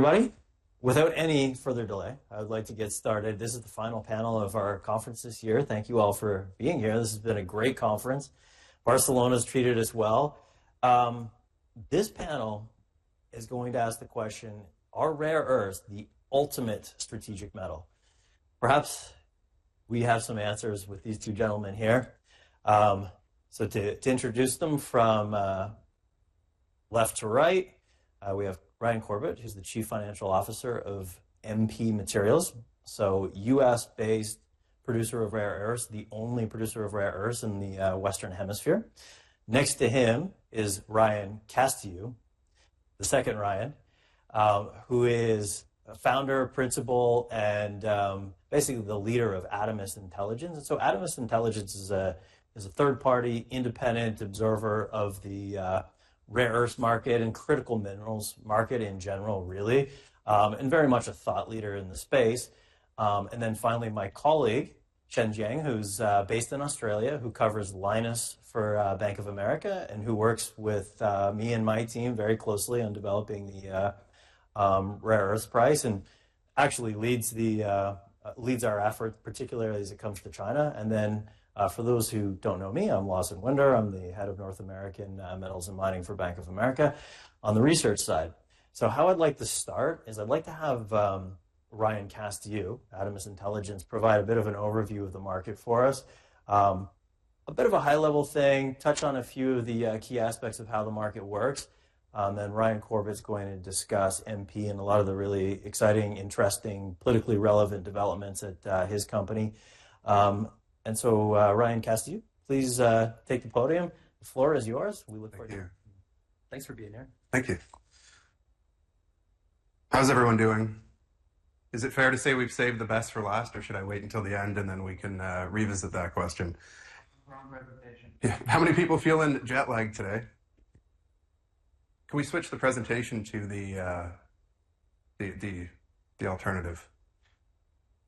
Hey, everybody. Without any further delay, I would like to get started. This is the final panel of our conference this year. Thank you all for being here. This has been a great conference. Barcelona's treated us well. This panel is going to ask the question, are rare earths the ultimate strategic metal? Perhaps we have some answers with these two gentlemen here. To introduce them from left to right, we have Ryan Corbett, who's the Chief Financial Officer of MP Materials, so U.S.based producer of rare earths, the only producer of rare earths in the Western Hemisphere. Next to him is Ryan Castilloux, the second Ryan, who is Founder, principal, and basically the leader of Adamas Intelligence. Adamas Intelligence is a third-party independent observer of the rare earths market and critical minerals market in general, really, and very much a thought leader in the space. And then finally, my colleague, Chen Jiang, who's based in Australia, who covers Lynas for Bank of America and who works with me and my team very closely on developing the rare earth price and actually leads our effort, particularly as it comes to China. For those who don't know me, I'm Lawson Winder. I'm the head of North American Metals and Mining for Bank of America on the research side. How I'd like to start is I'd like to have Ryan Castillo, Adamas Intelligence, provide a bit of an overview of the market for us, a bit of a high-level thing, touch on a few of the key aspects of how the market works. Then Ryan Corbett's going to discuss MP and a lot of the really exciting, interesting, politically relevant developments at his company. Ryan Castilloux, please take the podium. The floor is yours. We look forward to. Thank you. Thanks for being here. Thank you. How's everyone doing? Is it fair to say we've saved the best for last, or should I wait until the end and then we can revisit that question? Yeah. How many people feeling jet lagged today? Can we switch the presentation to the alternative?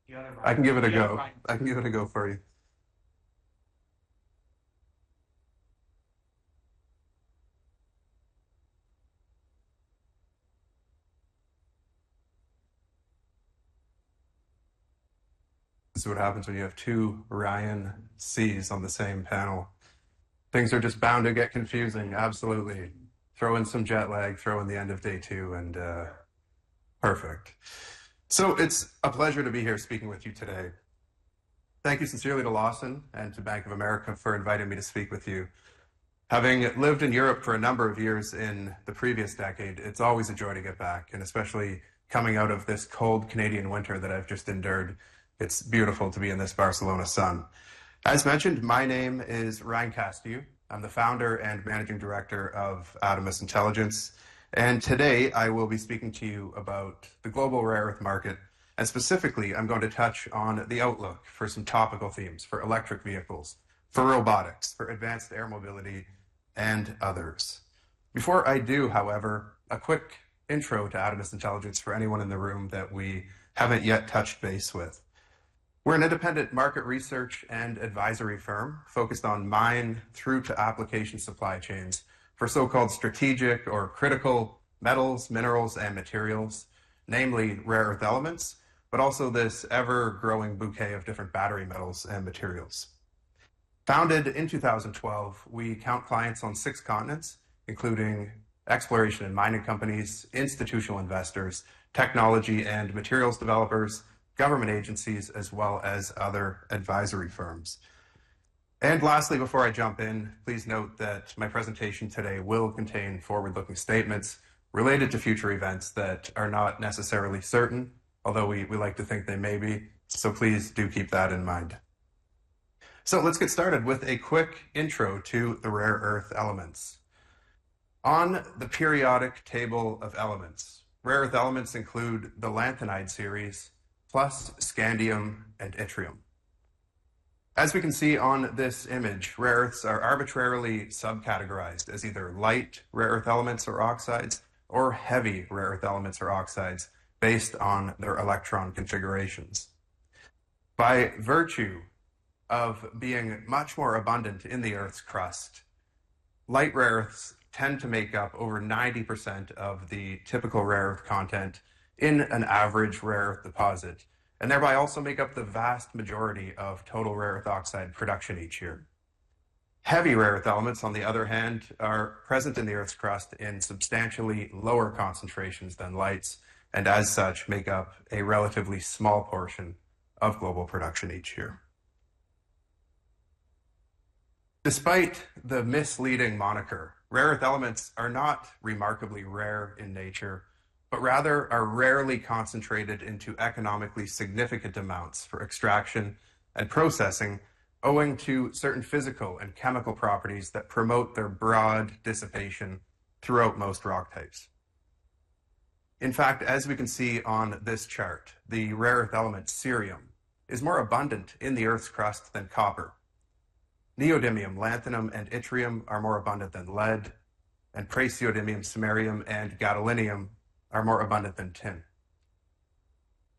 The other one. I can give it a go. I can give it a go for you. This is what happens when you have two Ryan Cs on the same panel. Things are just bound to get confusing. Absolutely. Throw in some jet lag, throw in the end of day two, and perfect. It is a pleasure to be here speaking with you today. Thank you sincerely to Lawson and to Bank of America for inviting me to speak with you. Having lived in Europe for a number of years in the previous decade, it is always a joy to get back, and especially coming out of this cold Canadian winter that I have just endured. It is beautiful to be in this Barcelona sun. As mentioned, my name is Ryan Castilloux. I am the founder and managing director of Adamas Intelligence. Today I will be speaking to you about the global rare earth market. Specifically, I'm going to touch on the outlook for some topical themes for electric vehicles, for robotics, for advanced air mobility, and others. Before I do, however, a quick intro to Adamas Intelligence for anyone in the room that we haven't yet touched base with. We're an independent market research and advisory firm focused on mine through to application supply chains for so-called strategic or critical metals, minerals, and materials, namely rare earth elements, but also this ever-growing bouquet of different battery metals and materials. Founded in 2012, we count clients on six continents, including exploration and mining companies, institutional investors, technology and materials developers, government agencies, as well as other advisory firms. Lastly, before I jump in, please note that my presentation today will contain forward-looking statements related to future events that are not necessarily certain, although we like to think they may be. Please do keep that in mind. Let's get started with a quick intro to the rare earth elements. On the periodic table of elements, rare earth elements include the lanthanide series plus scandium and yttrium. As we can see on this image, rare earths are arbitrarily subcategorized as either light rare earth elements or oxides or heavy rare earth elements or oxides based on their electron configurations. By virtue of being much more abundant in the earth's crust, light rare earths tend to make up over 90% of the typical rare earth content in an average rare earth deposit and thereby also make up the vast majority of total rare earth oxide production each year. Heavy rare earth elements, on the other hand, are present in the earth's crust in substantially lower concentrations than lights and, as such, make up a relatively small portion of global production each year. Despite the misleading moniker, rare earth elements are not remarkably rare in nature, but rather are rarely concentrated into economically significant amounts for extraction and processing, owing to certain physical and chemical properties that promote their broad dissipation throughout most rock types. In fact, as we can see on this chart, the rare earth element cerium is more abundant in the earth's crust than copper. Neodymium, lanthanum, and yttrium are more abundant than lead, and praseodymium, samarium, and gadolinium are more abundant than tin.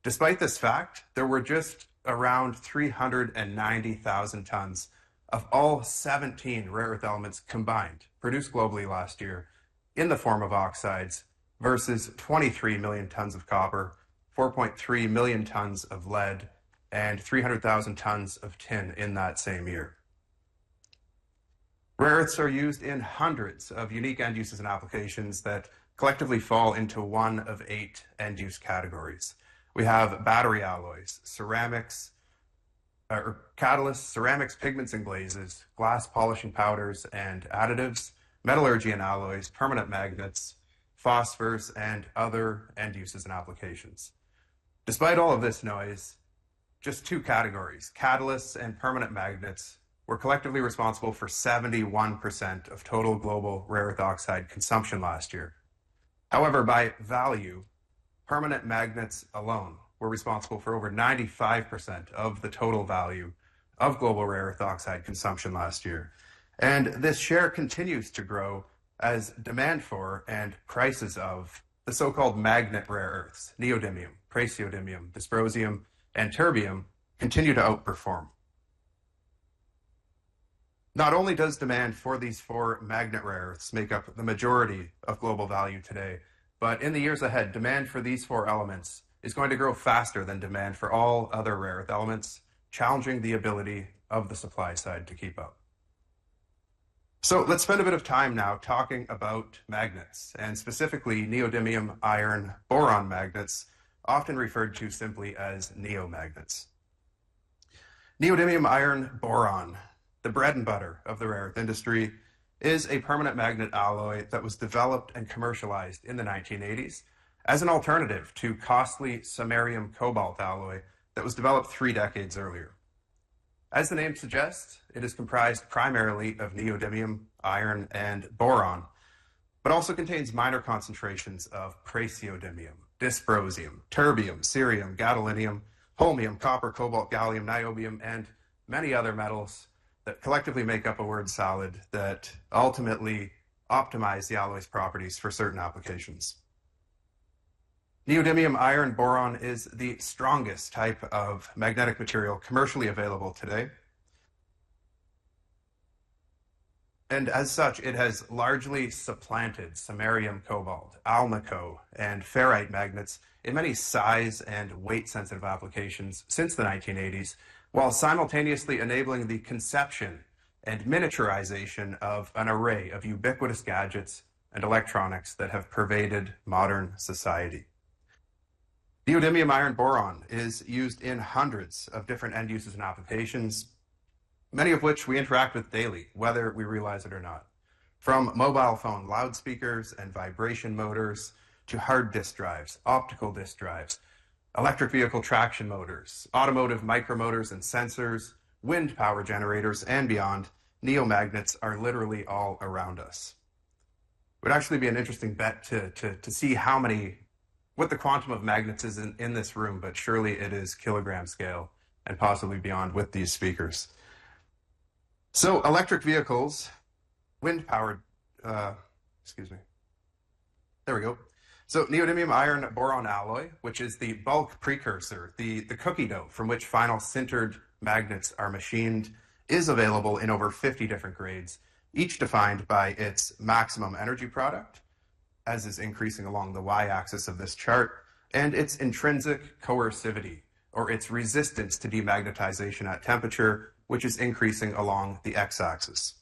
Despite this fact, there were just around 390,000 tons of all 17 rare earth elements combined produced globally last year in the form of oxides versus 23 million tons of copper, 4.3 million tons of lead, and 300,000 tons of tin in that same year. Rare earths are used in hundreds of unique end uses and applications that collectively fall into one of eight end use categories. We have battery alloys, ceramics, catalysts, ceramics, pigments and glazes, glass polishing powders and additives, metallurgy and alloys, permanent magnets, phosphorus, and other end uses and applications. Despite all of this noise, just two categories, catalysts and permanent magnets, were collectively responsible for 71% of total global rare earth oxide consumption last year. However, by value, permanent magnets alone were responsible for over 95% of the total value of global rare earth oxide consumption last year. This share continues to grow as demand for and prices of the so-called magnet rare earths, neodymium, praseodymium, dysprosium, and terbium, continue to outperform. Not only does demand for these four magnet rare earths make up the majority of global value today, but in the years ahead, demand for these four elements is going to grow faster than demand for all other rare earth elements, challenging the ability of the supply side to keep up. Let's spend a bit of time now talking about magnets, and specifically Neodymium Iron Boron Magnets, often referred to simply as Neomagnets. Neodymium iron boron, the bread and butter of the rare earth industry, is a permanent magnet alloy that was developed and commercialized in the 1980s as an alternative to costly Samarium Cobalt alloy that was developed three decades earlier. As the name suggests, it is comprised primarily of neodymium, iron, and boron, but also contains minor concentrations of praseodymium, dysprosium, terbium, cerium, gadolinium, holmium, copper, cobalt, gallium, niobium, and many other metals that collectively make up a word solid that ultimately optimize the alloy's properties for certain applications. Neodymium iron boron is the strongest type of magnetic material commercially available today. It has largely supplanted Samarium Cobalt, Alnico, and Ferrite Magnets in many size and weight-sensitive applications since the 1980s, while simultaneously enabling the conception and miniaturization of an array of ubiquitous gadgets and electronics that have pervaded modern society. Neodymium iron boron is used in hundreds of different end uses and applications, many of which we interact with daily, whether we realize it or not. From mobile phone loudspeakers and vibration motors to hard disk drives, optical disk drives, electric vehicle traction motors, automotive micro motors and sensors, wind power generators, and beyond, Neomagnets are literally all around us. It would actually be an interesting bet to see what the quantum of magnets is in this room, but surely it is kilogram scale and possibly beyond with these speakers. Electric vehicles, wind powered—excuse me. There we go. Neodymium iron boron alloy, which is the bulk precursor, the cookie dough from which final sintered magnets are machined, is available in over 50 different grades, each defined by its maximum energy product, as is increasing along the y-axis of this chart, and its intrinsic coercivity or its resistance to demagnetization at temperature, which is increasing along the x-axis.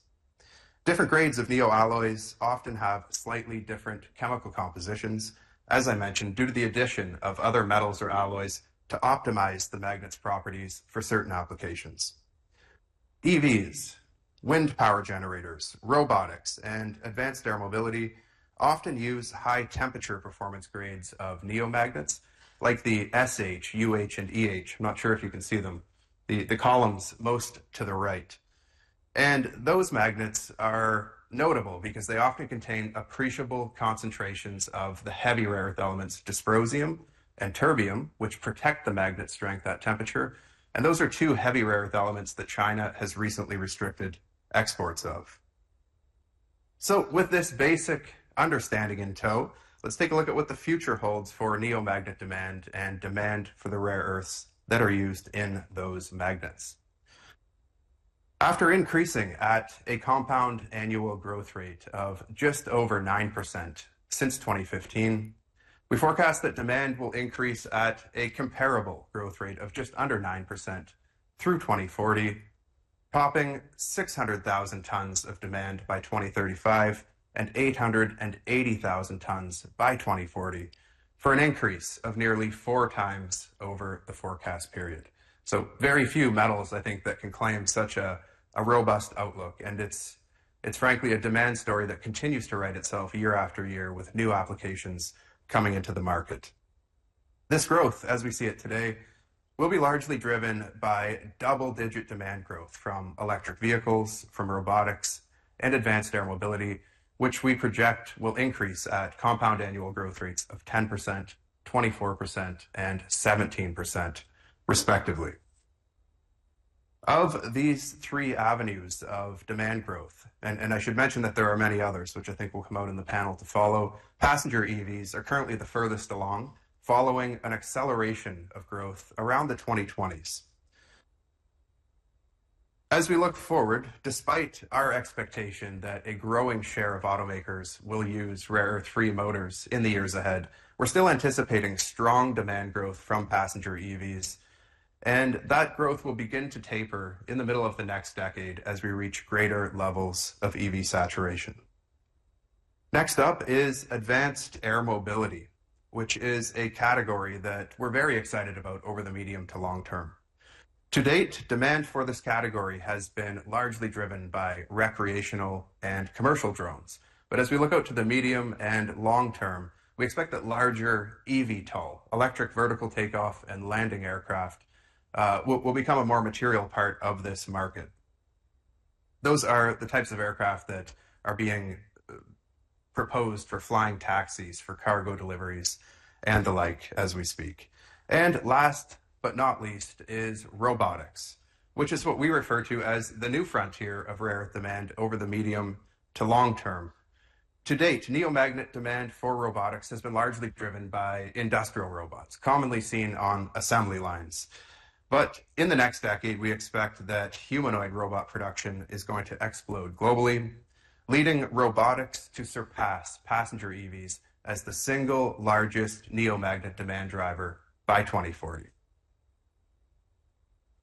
Different grades of neoalloys often have slightly different chemical compositions, as I mentioned, due to the addition of other metals or alloys to optimize the magnets' properties for certain applications. EVs, wind power generators, robotics, and advanced air mobility often use high-temperature performance grades of Neomagnets like the SH, and I'm not sure if you can see them, the columns most to the right. Those magnets are notable because they often contain appreciable concentrations of the heavy rare earth elements, dysprosium and terbium, which protect the magnet strength at temperature. Those are two heavy rare earth elements that China has recently restricted exports of. With this basic understanding in tow, let's take a look at what the future holds for neomagnet demand and demand for the rare earths that are used in those magnets. After increasing at a compound annual growth rate of just over 9% since 2015, we forecast that demand will increase at a comparable growth rate of just under 9% through 2040, topping 600,000 tons of demand by 2035 and 880,000 tons by 2040 for an increase of nearly four times over the forecast period. Very few metals, I think, can claim such a robust outlook. It is frankly a demand story that continues to write itself year after year with new applications coming into the market. This growth, as we see it today, will be largely driven by double-digit demand growth from electric vehicles, from robotics, and advanced air mobility, which we project will increase at compound annual growth rates of 10%, 24%, and 17%, respectively. Of these three avenues of demand growth, and I should mention that there are many others, which I think will come out in the panel to follow, passenger EVs are currently the furthest along, following an acceleration of growth around the 2020s. As we look forward, despite our expectation that a growing share of automakers will use rare earth-free motors in the years ahead, we're still anticipating strong demand growth from passenger EVs. That growth will begin to taper in the middle of the next decade as we reach greater levels of EV saturation. Next up is advanced air mobility, which is a category that we're very excited about over the medium to long term. To date, demand for this category has been largely driven by recreational and commercial drones. As we look out to the medium and long term, we expect that larger EVTOL, electric vertical takeoff and landing aircraft, will become a more material part of this market. Those are the types of aircraft that are being proposed for flying taxis, for cargo deliveries, and the like as we speak. Last but not least is robotics, which is what we refer to as the new frontier of rare earth demand over the medium to long term. To date, neomagnet demand for robotics has been largely driven by industrial robots, commonly seen on assembly lines. In the next decade, we expect that humanoid robot production is going to explode globally, leading robotics to surpass passenger EVs as the single largest neomagnet demand driver by 2040.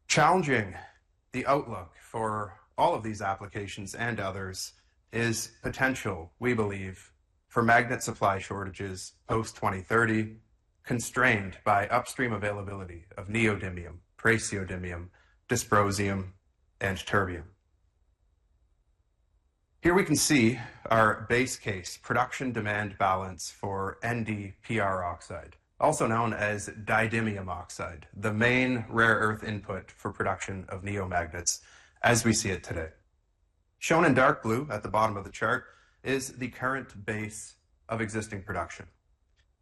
Challenging the outlook for all of these applications and others is potential, we believe, for magnet supply shortages post-2030, constrained by upstream availability of neodymium, praseodymium, dysprosium, and terbium. Here we can see our base case production demand balance for NDPR oxide, also known as Didymium Oxide, the main rare earth input for production of Neomagnets as we see it today. Shown in dark blue at the bottom of the chart is the current base of existing production.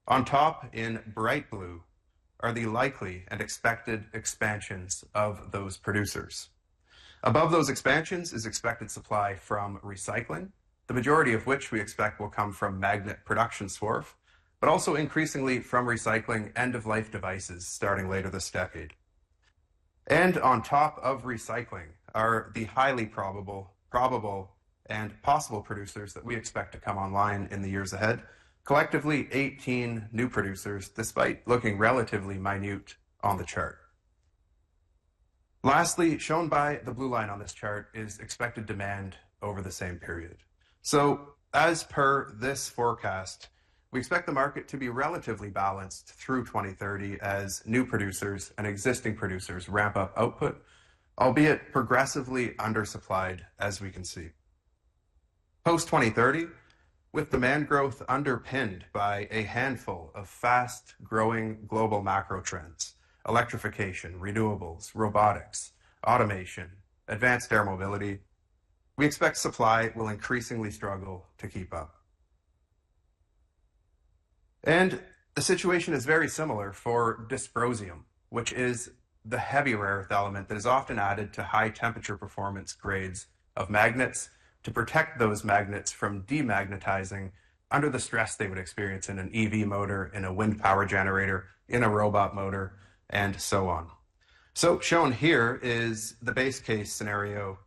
On top in bright blue are the likely and expected expansions of those producers. Above those expansions is expected supply from recycling, the majority of which we expect will come from magnet production swarf, but also increasingly from recycling end-of-life devices starting later this decade. On top of recycling are the highly probable, probable, and possible producers that we expect to come online in the years ahead, collectively 18 new producers despite looking relatively minute on the chart. Lastly, shown by the blue line on this chart is expected demand over the same period. As per this forecast, we expect the market to be relatively balanced through 2030 as new producers and existing producers ramp up output, albeit progressively undersupplied as we can see. Post-2030, with demand growth underpinned by a handful of fast-growing global macro trends—electrification, renewables, robotics, automation, advanced air mobility—we expect supply will increasingly struggle to keep up. The situation is very similar for dysprosium, which is the heavy rare earth element that is often added to high-temperature performance grades of magnets to protect those magnets from demagnetizing under the stress they would experience in an EV motor, in a wind power generator, in a robot motor, and so on. Shown here is the base case scenario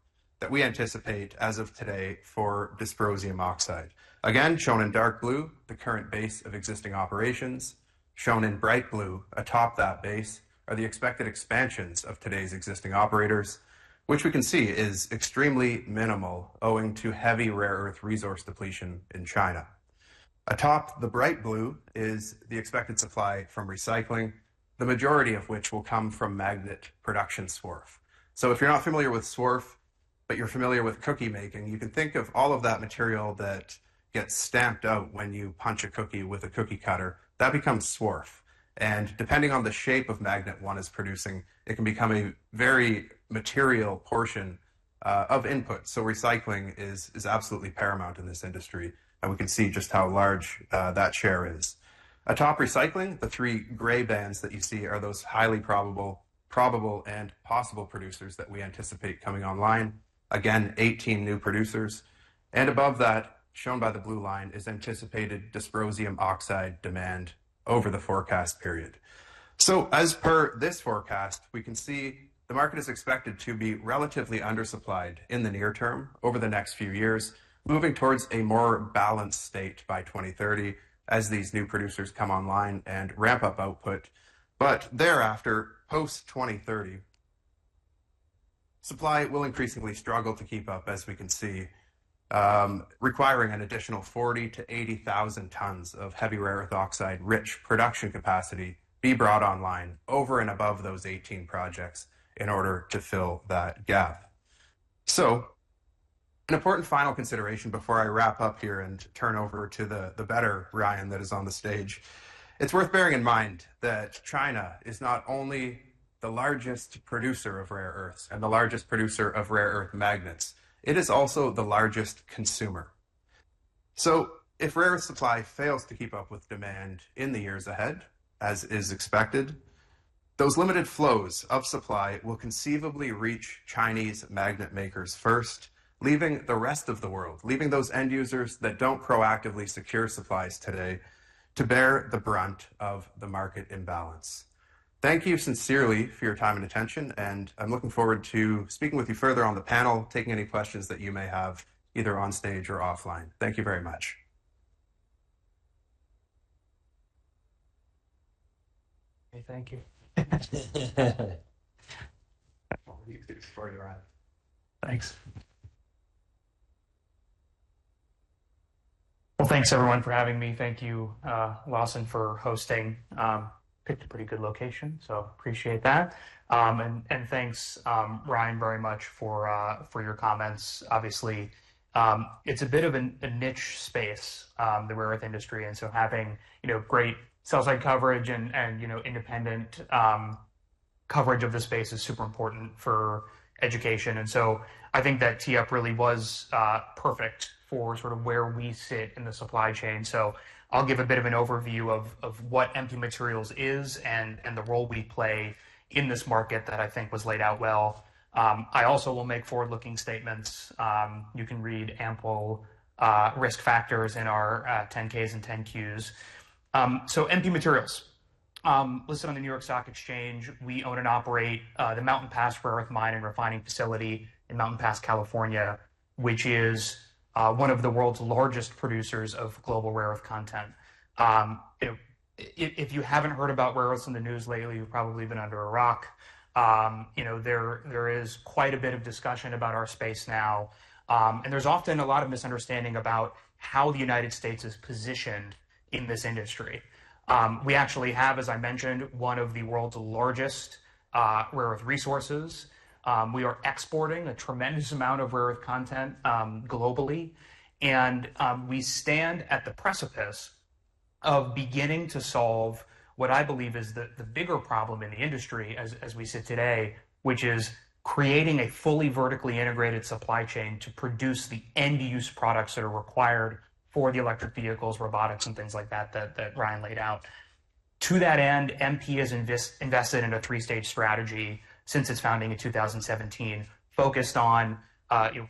that we anticipate as of today for dysprosium oxide. Again, shown in dark blue, the current base of existing operations. Shown in bright blue, atop that base are the expected expansions of today's existing operators, which we can see is extremely minimal owing to heavy rare earth resource depletion in China. Atop the bright blue is the expected supply from recycling, the majority of which will come from magnet production swarf. If you're not familiar with swarf, but you're familiar with cookie making, you can think of all of that material that gets stamped out when you punch a cookie with a cookie cutter. That becomes swarf. Depending on the shape of magnet one is producing, it can become a very material portion of input. Recycling is absolutely paramount in this industry, and we can see just how large that share is. Atop recycling, the three gray bands that you see are those highly probable, probable, and possible producers that we anticipate coming online. Again, 18 new producers. Above that, shown by the blue line, is anticipated dysprosium oxide demand over the forecast period. As per this forecast, we can see the market is expected to be relatively undersupplied in the near term over the next few years, moving towards a more balanced state by 2030 as these new producers come online and ramp up output. Thereafter, post-2030, supply will increasingly struggle to keep up, as we can see, requiring an additional 40,000-80,000 tons of heavy rare earth oxide-rich production capacity to be brought online over and above those 18 projects in order to fill that gap. An important final consideration before I wrap up here and turn over to the better Ryan that is on the stage. It's worth bearing in mind that China is not only the largest producer of rare earths and the largest producer of rare earth magnets, it is also the largest consumer. If rare earth supply fails to keep up with demand in the years ahead, as is expected, those limited flows of supply will conceivably reach Chinese magnet makers first, leaving the rest of the world, leaving those end users that do not proactively secure supplies today to bear the brunt of the market imbalance. Thank you sincerely for your time and attention, and I am looking forward to speaking with you further on the panel, taking any questions that you may have either on stage or offline. Thank you very much. Thank you. Thanks. Thanks everyone for having me. Thank you, Lawson, for hosting. Picked a pretty good location, so appreciate that. Thanks, Ryan, very much for your comments. Obviously, it is a bit of a niche space, the rare earth industry. Having great sell-side coverage and independent coverage of the space is super important for education. I think that TEAP really was perfect for sort of where we sit in the supply chain. I'll give a bit of an overview of what MP Materials is and the role we play in this market that I think was laid out well. I also will make forward-looking statements. You can read ample risk factors in our 10-Ks and 10-Qs. MP Materials, listed on the New York Stock Exchange, owns and operates the Mountain Pass Rare Earth Mine and Refining Facility in Mountain Pass, California, which is one of the world's largest producers of global rare earth content. If you haven't heard about rare earths in the news lately, you've probably been under a rock. There is quite a bit of discussion about our space now. There's often a lot of misunderstanding about how the U.S. is positioned in this industry. We actually have, as I mentioned, one of the world's largest rare earth resources. We are exporting a tremendous amount of rare earth content globally. We stand at the precipice of beginning to solve what I believe is the bigger problem in the industry as we sit today, which is creating a fully vertically integrated supply chain to produce the end-use products that are required for the electric vehicles, robotics, and things like that that Ryan laid out. To that end, MP has invested in a three-stage strategy since its founding in 2017, focused on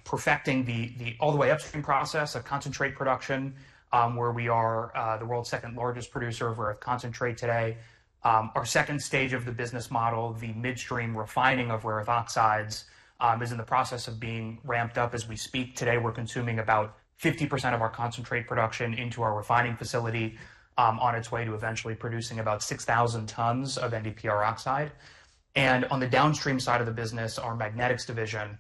perfecting the all-the-way upstream process of concentrate production, where we are the world's second-largest producer of rare earth concentrate today. Our second stage of the business model, the midstream refining of rare earth oxides, is in the process of being ramped up as we speak today. We're consuming about 50% of our concentrate production into our refining facility on its way to eventually producing about 6,000 tons of NDPR oxide. On the downstream side of the business, our magnetics division,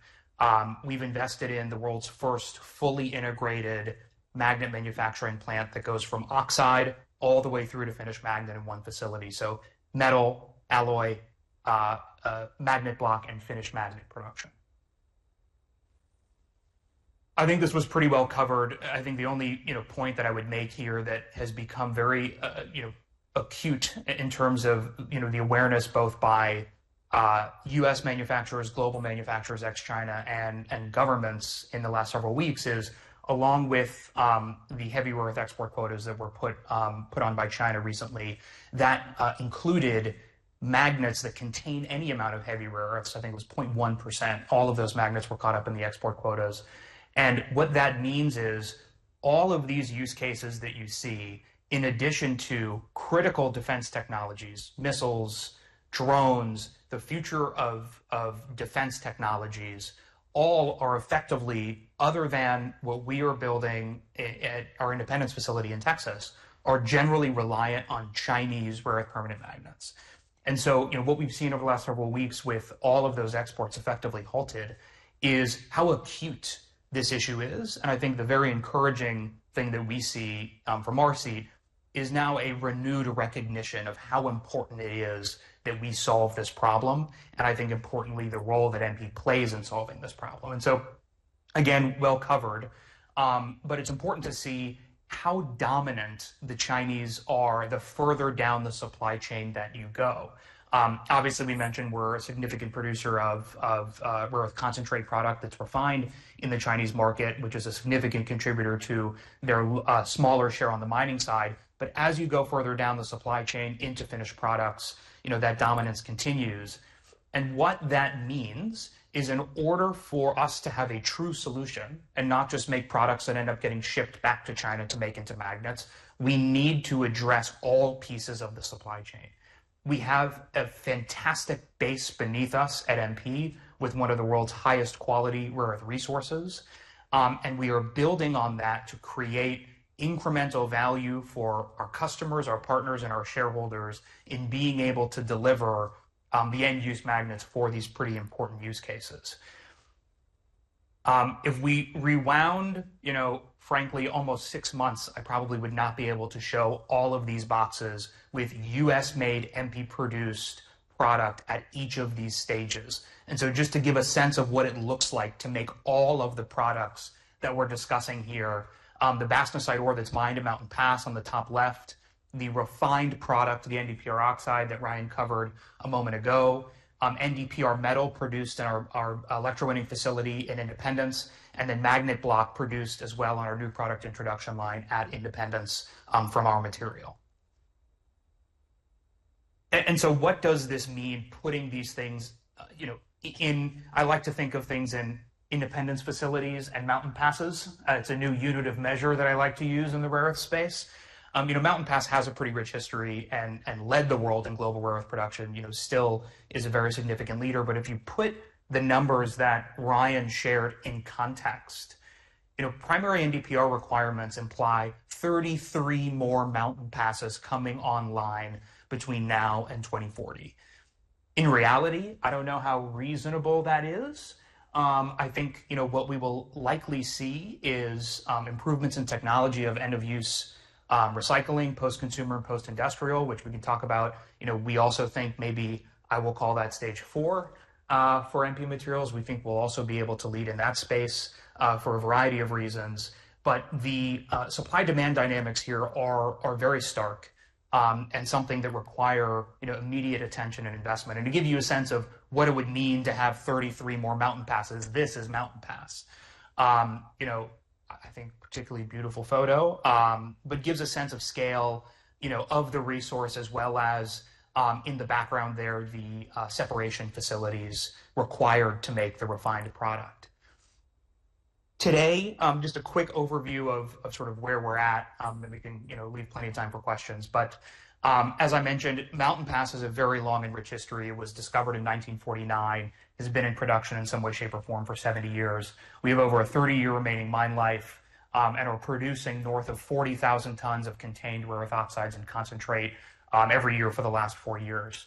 we've invested in the world's first fully integrated magnet manufacturing plant that goes from oxide all the way through to finished magnet in one facility. Metal, alloy, magnet block, and finished magnet production. I think this was pretty well covered. The only point that I would make here that has become very acute in terms of the awareness both by U.S. manufacturers, global manufacturers ex-China, and governments in the last several weeks is, along with the heavy rare earth export quotas that were put on by China recently, that included magnets that contain any amount of heavy rare earths. I think it was 0.1%. All of those magnets were caught up in the export quotas. What that means is all of these use cases that you see, in addition to critical defense technologies, missiles, drones, the future of defense technologies, all are effectively, other than what we are building at our Independence facility in Texas, generally reliant on Chinese rare earth Permanent Magnets. What we have seen over the last several weeks with all of those exports effectively halted is how acute this issue is. I think the very encouraging thing that we see from our seat is now a renewed recognition of how important it is that we solve this problem. I think, importantly, the role that MP plays in solving this problem. Again, well covered. It is important to see how dominant the Chinese are the further down the supply chain that you go. Obviously, we mentioned we're a significant producer of rare earth concentrate product that's refined in the Chinese market, which is a significant contributor to their smaller share on the mining side. As you go further down the supply chain into finished products, that dominance continues. What that means is in order for us to have a true solution and not just make products that end up getting shipped back to China to make into magnets, we need to address all pieces of the supply chain. We have a fantastic base beneath us at MP with one of the world's highest quality rare earth resources. We are building on that to create incremental value for our customers, our partners, and our shareholders in being able to deliver the end-use magnets for these pretty important use cases. If we rewound, frankly, almost six months, I probably would not be able to show all of these boxes with U.S.-made, MP-produced product at each of these stages. Just to give a sense of what it looks like to make all of the products that we're discussing here, the Bastnäsiteore that's mined at Mountain Pass on the top left, the refined product, the NDPR oxide that Ryan covered a moment ago, NDPR metal produced in our electrowinning facility in Independence, and then magnet block produced as well on our new product introduction line at Independence from our material. What does this mean putting these things in? I like to think of things in Independence facilities and Mountain Passes. It's a new unit of measure that I like to use in the rare earth space. Mountain Pass has a pretty rich history and led the world in global rare earth production, still is a very significant leader. If you put the numbers that Ryan shared in context, primary NDPR requirements imply 33 more Mountain Passes coming online between now and 2040. In reality, I do not know how reasonable that is. I think what we will likely see is improvements in technology of end-of-use recycling, post-consumer, post-industrial, which we can talk about. We also think maybe I will call that stage four for MP Materials. We think we will also be able to lead in that space for a variety of reasons. The supply-demand dynamics here are very stark and something that require immediate attention and investment. To give you a sense of what it would mean to have 33 more Mountain Passes, this is Mountain Pass. I think particularly beautiful photo, but gives a sense of scale of the resource as well as in the background there, the separation facilities required to make the refined product. Today, just a quick overview of sort of where we're at, and we can leave plenty of time for questions. As I mentioned, Mountain Pass has a very long and rich history. It was discovered in 1949, has been in production in some way, shape, or form for 70 years. We have over a 30-year remaining mine life and are producing north of 40,000 tons of contained rare earth oxides and concentrate every year for the last four years.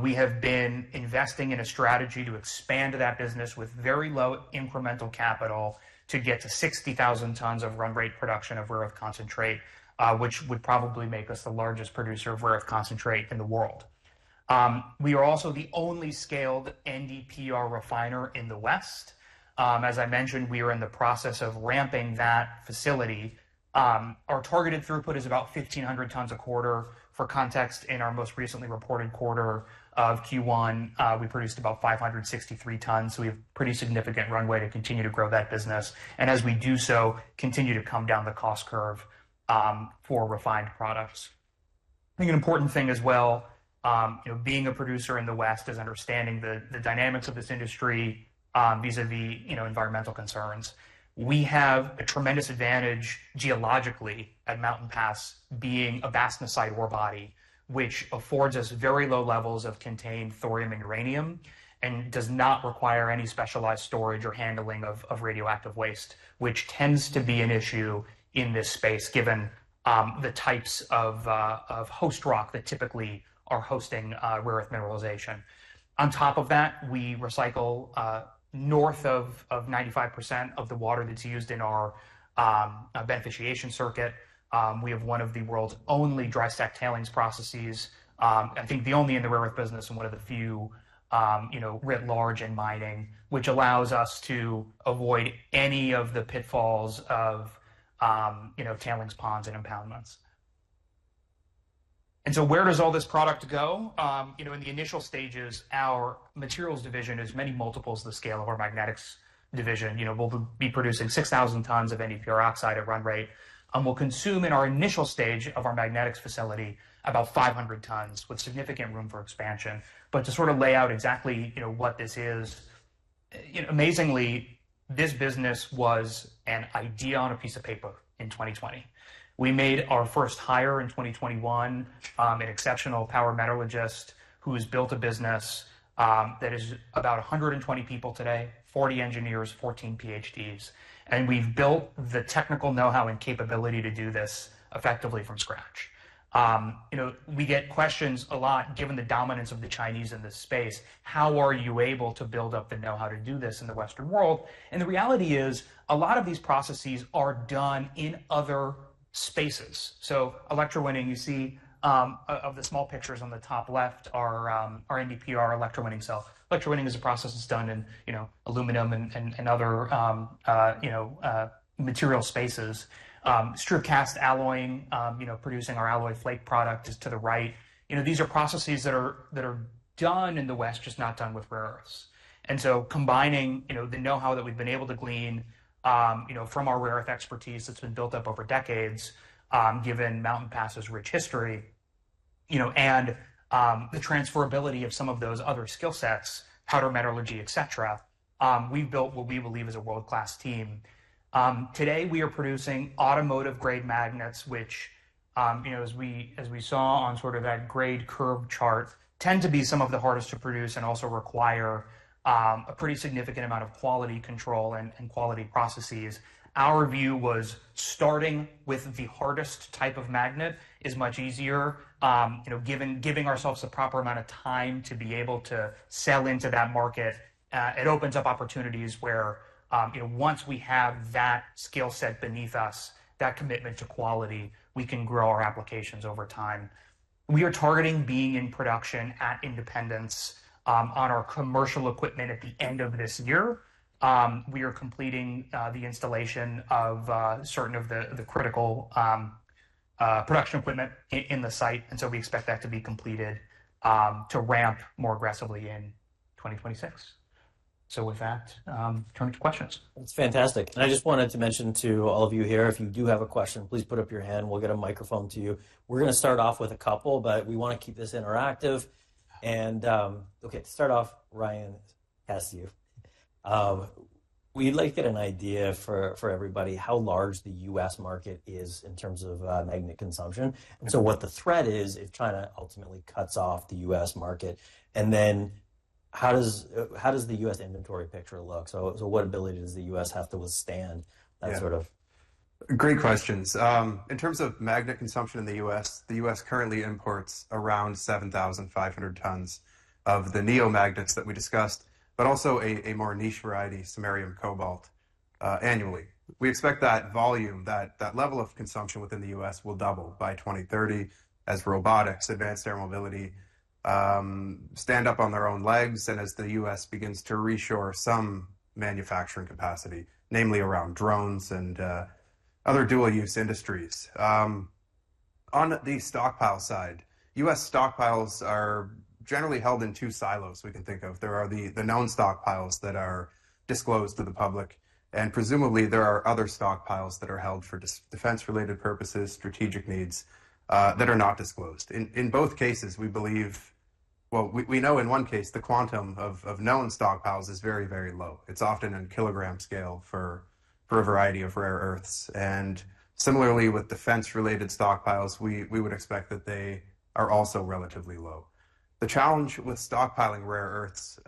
We have been investing in a strategy to expand that business with very low incremental capital to get to 60,000 tons of run-rate production of rare earth concentrate, which would probably make us the largest producer of rare earth concentrate in the world. We are also the only scaled NDPR refiner in the West. As I mentioned, we are in the process of ramping that facility. Our targeted throughput is about 1,500 tons a quarter. For context, in our most recently reported quarter of Q1, we produced about 563 tons. We have pretty significant runway to continue to grow that business. As we do so, continue to come down the cost curve for refined products. I think an important thing as well, being a producer in the West is understanding the dynamics of this industry vis-à-vis environmental concerns. We have a tremendous advantage geologically at Mountain Pass being a Bastnäsiteore body, which affords us very low levels of contained thorium and uranium and does not require any specialized storage or handling of radioactive waste, which tends to be an issue in this space given the types of host rock that typically are hosting rare earth mineralization. On top of that, we recycle north of 95% of the water that's used in our beneficiation circuit. We have one of the world's only dry stack tailings processes, I think the only in the rare earth business and one of the few writ large in mining, which allows us to avoid any of the pitfalls of tailings ponds and impoundments. Where does all this product go? In the initial stages, our materials division is many multiples the scale of our magnetics division. We'll be producing 6,000 tons of NDPR oxide at run rate. We'll consume in our initial stage of our magnetics facility about 500 tons with significant room for expansion. To sort of lay out exactly what this is, amazingly, this business was an idea on a piece of paper in 2020. We made our first hire in 2021, an exceptional power metallurgist who has built a business that is about 120 people today, 40 engineers, 14 PhDs. We've built the technical know-how and capability to do this effectively from scratch. We get questions a lot given the dominance of the Chinese in this space. How are you able to build up the know-how to do this in the Western world? The reality is a lot of these processes are done in other spaces. Electrowinning, you see the small pictures on the top left are NDPR electrowinning cells. Electrowinning is a process that's done in aluminum and other material spaces. Strip cast alloying, producing our alloy flake product, is to the right. These are processes that are done in the West, just not done with rare earths. Combining the know-how that we've been able to glean from our rare earth expertise that's been built up over decades, given Mountain Pass's rich history and the transferability of some of those other skill sets, powder metallurgy, etc., we've built what we believe is a world-class team. Today, we are producing automotive-grade magnets, which, as we saw on that grade curve chart, tend to be some of the hardest to produce and also require a pretty significant amount of quality control and quality processes. Our view was starting with the hardest type of magnet is much easier. Giving ourselves the proper amount of time to be able to sell into that market, it opens up opportunities where once we have that skill set beneath us, that commitment to quality, we can grow our applications over time. We are targeting being in production at Independence on our commercial equipment at the end of this year. We are completing the installation of certain of the critical production equipment in the site. We expect that to be completed to ramp more aggressively in 2026. With that, turn to questions. That's fantastic. I just wanted to mention to all of you here, if you do have a question, please put up your hand. We'll get a microphone to you. We're going to start off with a couple, but we want to keep this interactive. Okay, to start off, Ryan, pass to you. We'd like to get an idea for everybody how large the U.S. market is in terms of magnet consumption. What the threat is if China ultimately cuts off the U.S. market. How does the U.S. inventory picture look? What ability does the U.S. have to withstand that sort of? Great questions. In terms of magnet consumption in the U.S., the U.S. currently imports around 7,500 tons of the Neomagnets that we discussed, but also a more niche variety, Samarium Cobalt, annually. We expect that volume, that level of consumption within the U.S. will double by 2030 as robotics, advanced air mobility stand up on their own legs and as the U.S. begins to reshore some manufacturing capacity, namely around drones and other dual-use industries. On the stockpile side, U.S. Stockpiles are generally held in two silos we can think of. There are the known stockpiles that are disclosed to the public. Presumably, there are other stockpiles that are held for defense-related purposes, strategic needs that are not disclosed. In both cases, we believe, we know in one case the quantum of known stockpiles is very, very low. It is often on kilogram scale for a variety of rare earths. Similarly, with defense-related stockpiles, we would expect that they are also relatively low. The challenge with stockpiling rare earths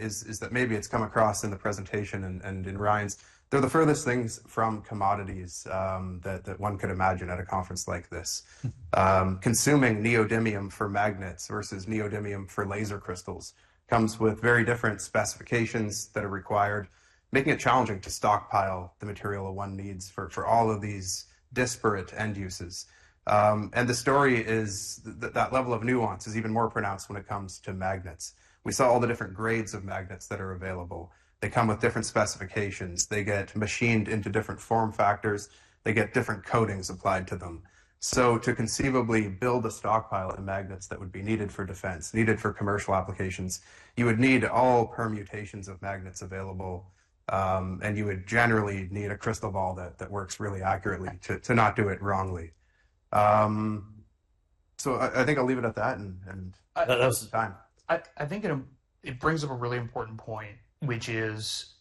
is that maybe it has come across in the presentation and in Ryan's. They are the furthest things from commodities that one could imagine at a conference like this. Consuming neodymium for magnets versus neodymium for laser crystals comes with very different specifications that are required, making it challenging to stockpile the material one needs for all of these disparate end uses. The story is that level of nuance is even more pronounced when it comes to magnets. We saw all the different grades of magnets that are available. They come with different specifications. They get machined into different form factors. They get different coatings applied to them. To conceivably build a stockpile of magnets that would be needed for defense, needed for commercial applications, you would need all permutations of magnets available. You would generally need a crystal ball that works really accurately to not do it wrongly. I think I'll leave it at that and. I think it brings up a really important point, which is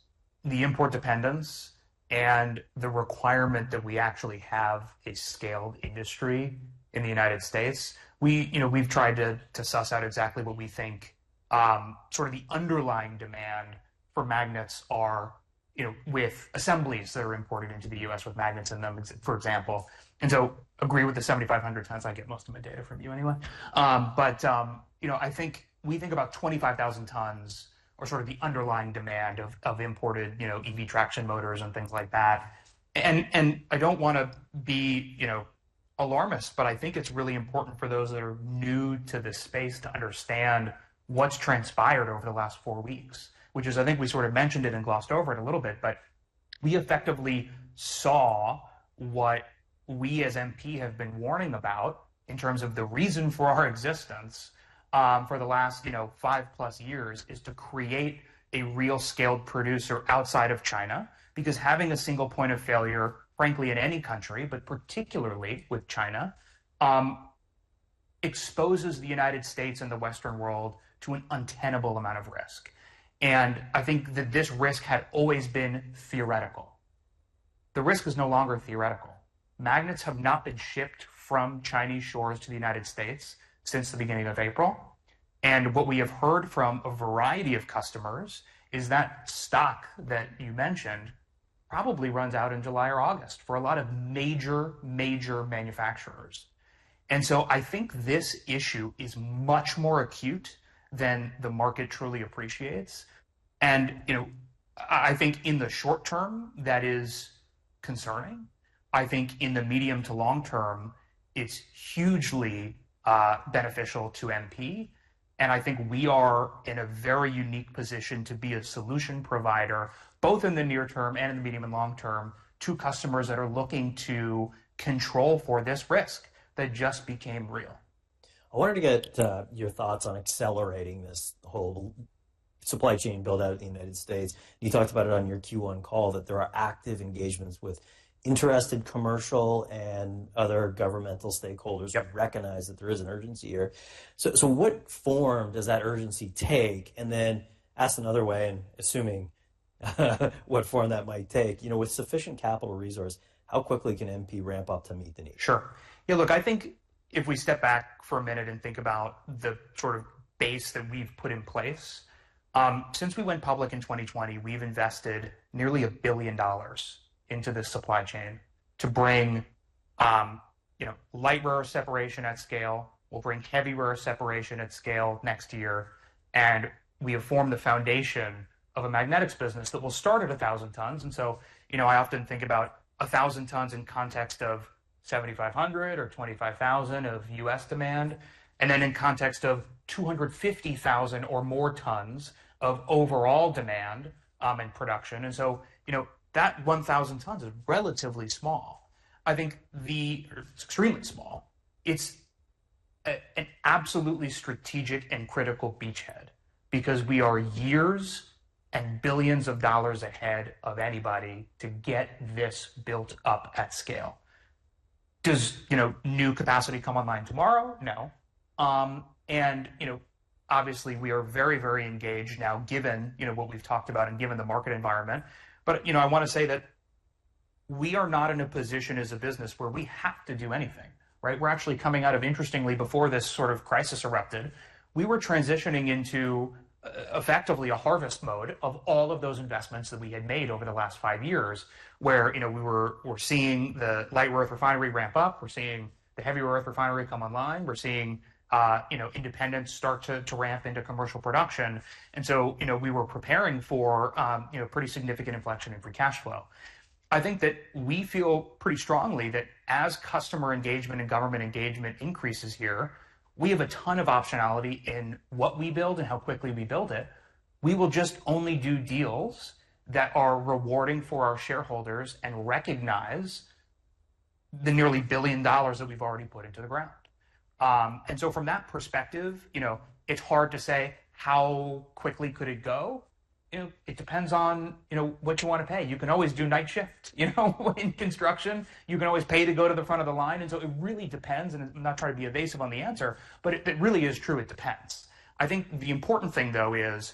the import dependence and the requirement that we actually have a scaled industry in the U.S. We've tried to suss out exactly what we think sort of the underlying demand for magnets is with assemblies that are imported into the U.S. with magnets in them, for example. I agree with the 7,500 tons. I get most of my data from you anyway. I think we think about 25,000 tons are sort of the underlying demand of imported EV traction motors and things like that. I do not want to be alarmist, but I think it is really important for those that are new to this space to understand what has transpired over the last four weeks, which is I think we sort of mentioned it and glossed over it a little bit, but we effectively saw what we as MP have been warning about in terms of the reason for our existence for the last five-plus years, which is to create a real scaled producer outside of China because having a single point of failure, frankly, in any country, but particularly with China, exposes the United States and the Western world to an untenable amount of risk. I think that this risk had always been theoretical. The risk is no longer theoretical. Magnets have not been shipped from Chinese shores to the United States since the beginning of April. What we have heard from a variety of customers is that stock that you mentioned probably runs out in July or August for a lot of major, major manufacturers. I think this issue is much more acute than the market truly appreciates. I think in the short term, that is concerning. I think in the medium to long term, it is hugely beneficial to MP. I think we are in a very unique position to be a solution provider, both in the near term and in the medium and long term, to customers that are looking to control for this risk that just became real. I wanted to get your thoughts on accelerating this whole supply chain build-out in the United States. You talked about it on your Q1 call that there are active engagements with interested commercial and other governmental stakeholders that recognize that there is an urgency here. What form does that urgency take? Asked another way, and assuming what form that might take, with sufficient capital resource, how quickly can MP ramp up to meet the need? Sure. Yeah, look, I think if we step back for a minute and think about the sort of base that we have put in place, since we went public in 2020, we have invested nearly $1 billion into the supply chain to bring light rare separation at scale. We will bring heavy rare separation at scale next year. We have formed the foundation of a magnetics business that will start at 1,000 tons. I often think about 1,000 tons in context of 7,500 or 25,000 of U.S. demand, and then in context of 250,000 or more tons of overall demand and production. That 1,000 tons is relatively small. I think it's extremely small. It's an absolutely strategic and critical beachhead because we are years and billions of dollars ahead of anybody to get this built up at scale. Does new capacity come online tomorrow? No. Obviously, we are very, very engaged now given what we've talked about and given the market environment. I want to say that we are not in a position as a business where we have to do anything, right? We're actually coming out of, interestingly, before this sort of crisis erupted, we were transitioning into effectively a harvest mode of all of those investments that we had made over the last five years where we were seeing the light rare earth refinery ramp up. We're seeing the heavy rare earth refinery come online. We're seeing Independence start to ramp into commercial production. We were preparing for a pretty significant inflection in free cash flow. I think that we feel pretty strongly that as customer engagement and government engagement increases here, we have a ton of optionality in what we build and how quickly we build it. We will just only do deals that are rewarding for our shareholders and recognize the nearly $1 billion that we've already put into the ground. From that perspective, it's hard to say how quickly could it go. It depends on what you want to pay. You can always do night shift in construction. You can always pay to go to the front of the line. It really depends. I'm not trying to be evasive on the answer, but it really is true. It depends. I think the important thing, though, is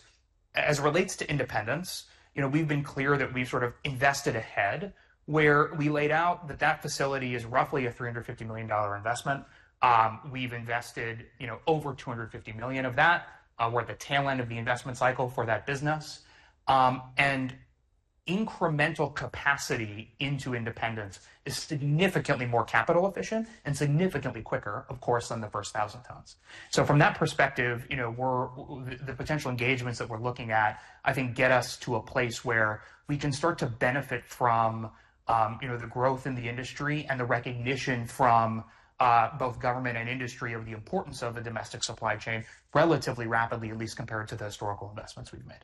as it relates to Independence, we've been clear that we've sort of invested ahead where we laid out that that facility is roughly a $350 million investment. We've invested over $250 million of that. We're at the tail end of the investment cycle for that business. Incremental capacity into Independence is significantly more capital efficient and significantly quicker, of course, than the first 1,000 tons. From that perspective, the potential engagements that we're looking at, I think, get us to a place where we can start to benefit from the growth in the industry and the recognition from both government and industry of the importance of the domestic supply chain relatively rapidly, at least compared to the historical investments we've made.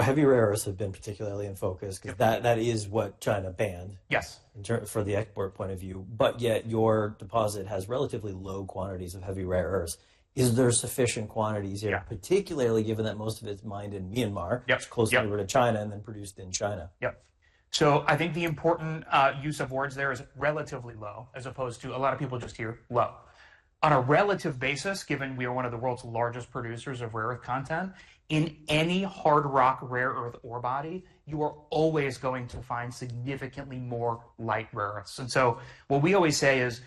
Heavy rare earths have been particularly in focus because that is what China banned from the export point of view. Yet your deposit has relatively low quantities of heavy rare earths. Is there sufficient quantities here, particularly given that most of it is mined in Myanmar, which is closer to China, and then produced in China? Yep. I think the important use of words there is relatively low as opposed to a lot of people just hear low. On a relative basis, given we are one of the world's largest producers of rare earth content, in any hard rock rare earth ore body, you are always going to find significantly more light rare earths. What we always say is,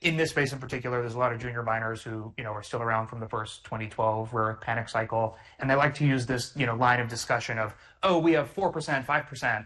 in this space in particular, there are a lot of junior miners who are still around from the first 2012 rare earth panic cycle. They like to use this line of discussion of, "Oh, we have 4%, 5%.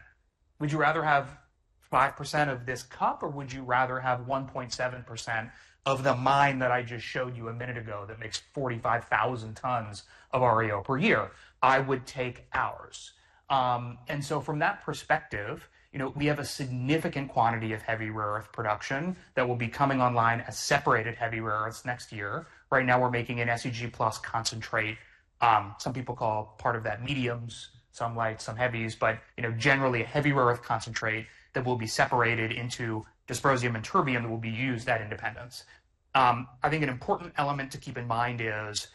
Would you rather have 5% of this cup, or would you rather have 1.7% of the mine that I just showed you a minute ago that makes 45,000 tons of REO per year?" I would take ours. From that perspective, we have a significant quantity of heavy rare earth production that will be coming online as separated heavy rare earths next year. Right now, we're making an SEG plus concentrate. Some people call part of that mediums, some lights, some heavies, but generally a heavy rare earth concentrate that will be separated into dysprosium and terbium that will be used at Independence. I think an important element to keep in mind is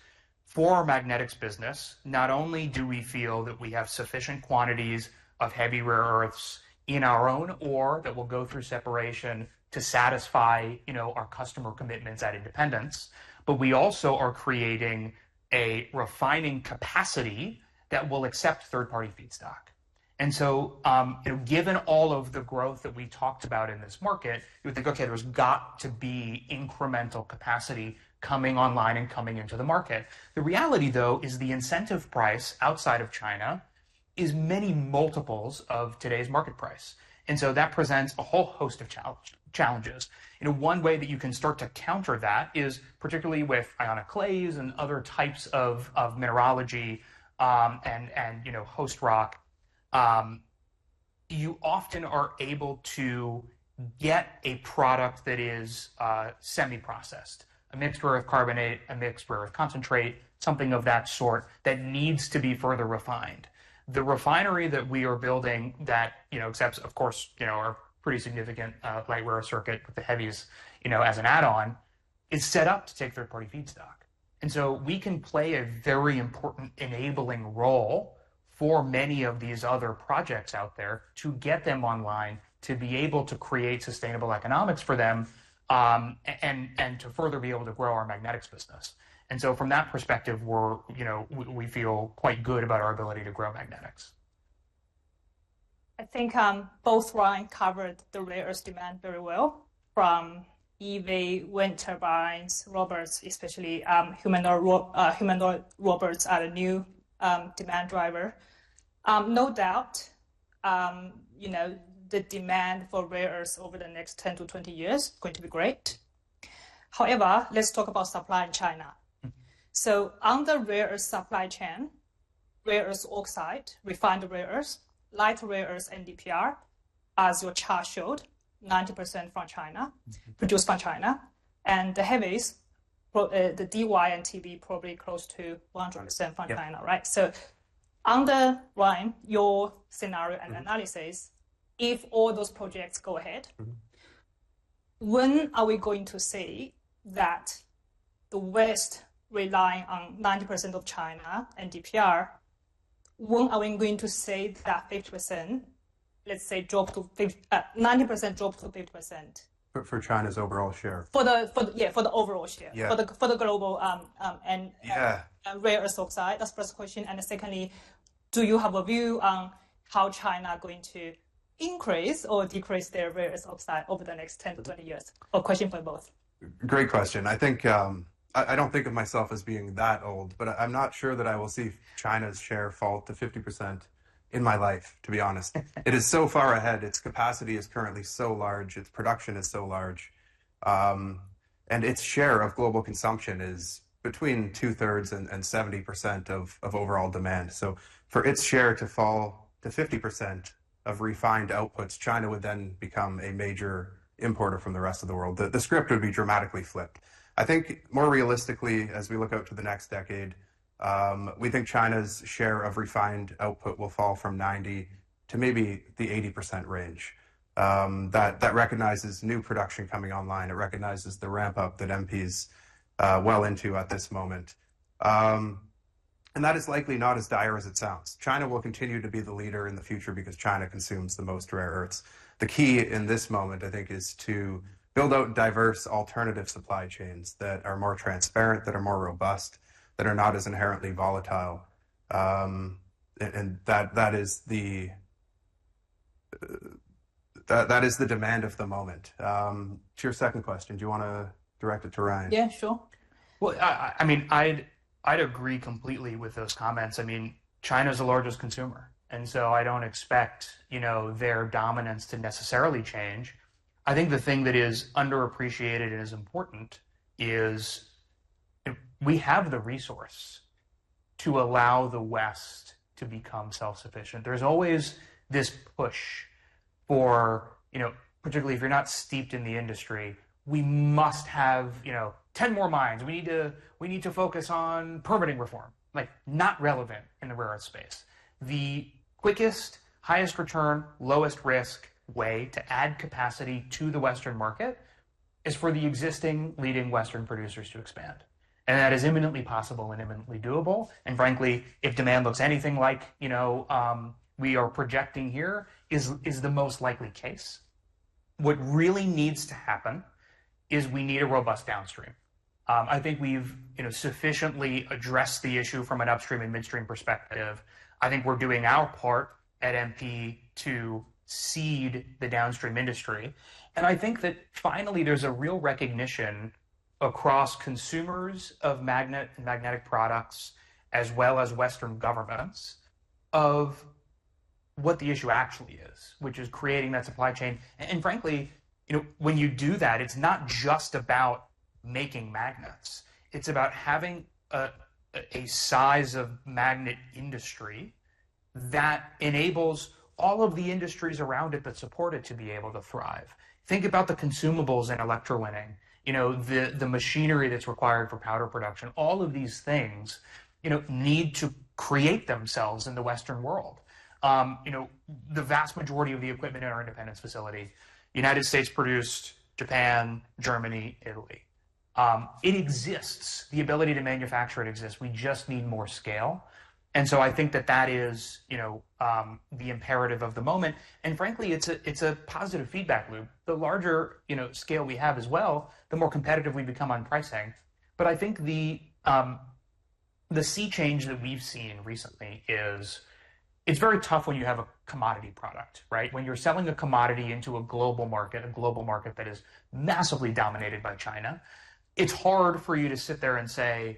for our magnetics business, not only do we feel that we have sufficient quantities of heavy rare earths in our own ore that will go through separation to satisfy our customer commitments at Independence, but we also are creating a refining capacity that will accept third-party feedstock. Given all of the growth that we talked about in this market, you would think, "Okay, there's got to be incremental capacity coming online and coming into the market." The reality, though, is the incentive price outside of China is many multiples of today's market price. That presents a whole host of challenges. One way that you can start to counter that is particularly with ionic clays and other types of mineralogy and host rock. You often are able to get a product that is semi-processed, a mixed rare earth carbonate, a mixed rare earth concentrate, something of that sort that needs to be further refined. The refinery that we are building that accepts, of course, our pretty significant light rare earth circuit with the heavies as an add-on, is set up to take third-party feedstock. We can play a very important enabling role for many of these other projects out there to get them online to be able to create sustainable economics for them and to further be able to grow our magnetics business. From that perspective, we feel quite good about our ability to grow magnetics. I think both Ryan covered the rare earth demand very well from EV wind turbines, robots, especially humanoid robots are a new demand driver. No doubt, the demand for rare earth over the next 10 to 20 years is going to be great. However, let's talk about supply in China. On the rare earth supply chain, rare earth oxide, refined rare earth, light rare earth, and NDPR, as your chart showed, 90% from China, produced from China. The heavies, the DY and TB, probably close to 100% from China, right? On the Ryan, your scenario and analysis, if all those projects go ahead, when are we going to see that the West relying on 90% of China and NDPR? When are we going to see that 50%, let's say, drop to 90%, drop to 50%? For China's overall share. Yeah, for the overall share. For the global and rare earth oxide, that's the first question. Secondly, do you have a view on how China is going to increase or decrease their rare earth oxide over the next 10 to 20 years? A question for both. Great question. I do not think of myself as being that old, but I am not sure that I will see China's share fall to 50% in my life, to be honest. It is so far ahead. Its capacity is currently so large. Its production is so large. Its share of global consumption is between two-thirds and 70% of overall demand. For its share to fall to 50% of refined outputs, China would then become a major importer from the rest of the world. The script would be dramatically flipped. I think more realistically, as we look out to the next decade, we think China's share of refined output will fall from 90% to maybe the 80% range that recognizes new production coming online. It recognizes the ramp-up that MP is well into at this moment. That is likely not as dire as it sounds. China will continue to be the leader in the future because China consumes the most rare earths. The key in this moment, I think, is to build out diverse alternative supply chains that are more transparent, that are more robust, that are not as inherently volatile. That is the demand of the moment. To your second question, do you want to direct it to Ryan? Yeah, sure. I mean, I'd agree completely with those comments. I mean, China is the largest consumer. I don't expect their dominance to necessarily change. I think the thing that is underappreciated and is important is we have the resource to allow the West to become self-sufficient. There is always this push for, particularly if you are not steeped in the industry, we must have 10 more mines. We need to focus on permitting reform. Not relevant in the rare earth space. The quickest, highest return, lowest risk way to add capacity to the Western market is for the existing leading Western producers to expand. That is imminently possible and imminently doable. Frankly, if demand looks anything like we are projecting here as the most likely case, what really needs to happen is we need a robust downstream. I think we have sufficiently addressed the issue from an upstream and midstream perspective. I think we are doing our part at MP to seed the downstream industry. I think that finally, there's a real recognition across consumers of magnet and magnetic products, as well as Western governments, of what the issue actually is, which is creating that supply chain. Frankly, when you do that, it's not just about making magnets. It's about having a size of magnet industry that enables all of the industries around it that support it to be able to thrive. Think about the consumables and electrolining, the machinery that's required for powder production. All of these things need to create themselves in the Western world. The vast majority of the equipment in our Independence facility, United States produced, Japan, Germany, Italy. It exists. The ability to manufacture it exists. We just need more scale. I think that that is the imperative of the moment. Frankly, it's a positive feedback loop. The larger scale we have as well, the more competitive we become on pricing. I think the sea change that we've seen recently is it's very tough when you have a commodity product, right? When you're selling a commodity into a global market, a global market that is massively dominated by China, it's hard for you to sit there and say,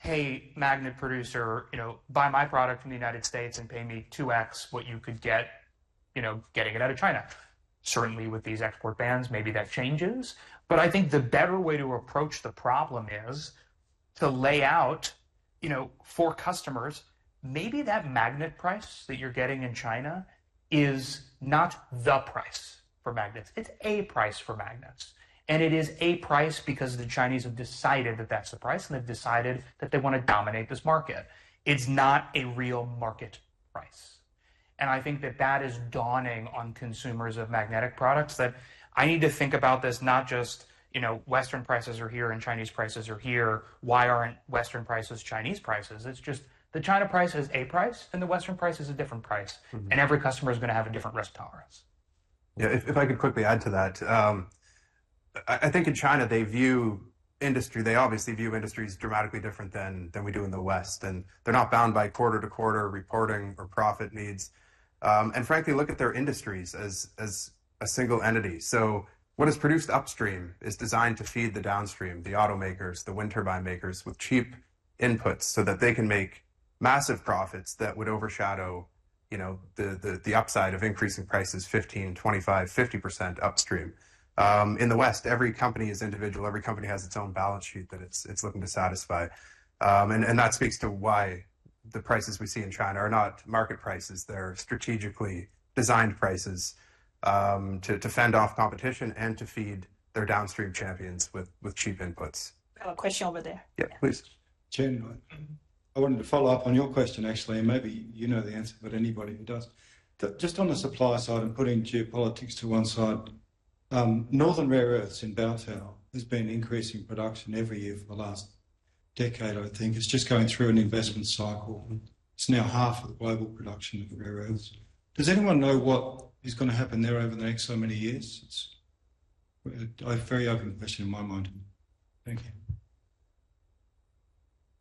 "Hey, magnet producer, buy my product from the United States and pay me 2x what you could get getting it out of China." Certainly, with these export bans, maybe that changes. I think the better way to approach the problem is to lay out for customers, maybe that magnet price that you're getting in China is not the price for magnets. It's a price for magnets. It is a price because the Chinese have decided that that's the price and they've decided that they want to dominate this market. It's not a real market price. I think that that is dawning on consumers of magnetic products that I need to think about this, not just Western prices are here and Chinese prices are here. Why aren't Western prices Chinese prices? It's just the China price is a price and the Western price is a different price. Every customer is going to have a different risk tolerance. Yeah, if I could quickly add to that, I think in China, they view industry, they obviously view industries dramatically different than we do in the West. They're not bound by quarter-to-quarter reporting or profit needs. Frankly, look at their industries as a single entity. What is produced upstream is designed to feed the downstream, the automakers, the wind turbine makers with cheap inputs so that they can make massive profits that would overshadow the upside of increasing prices 15%, 25%, 50% upstream. In the West, every company is individual. Every company has its own balance sheet that it's looking to satisfy. That speaks to why the prices we see in China are not market prices. They are strategically designed prices to fend off competition and to feed their downstream champions with cheap inputs. I have a question over there. Yeah, please. I wanted to follow up on your question, actually. Maybe you know the answer, but anybody who does. Just on the supply side and putting geopolitics to one side, Northern Rare Earths in Bayan Obo has been increasing production every year for the last decade, I think. It's just going through an investment cycle. It's now half of the global production of rare earths. Does anyone know what is going to happen there over the next so many years? It's a very open question in my mind. Thank